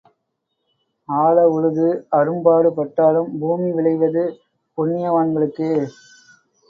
ஆழ உழுது அரும் பாடு பட்டாலும் பூமி விளைவது புண்ணியவான்களுக்கே.